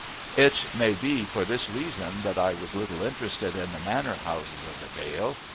It may be for this reason that I was little interested in the manor houses of the vale.